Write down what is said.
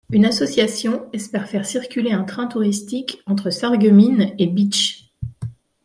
Une association espère faire circuler un train touristique entre Sarreguemines et Bitche.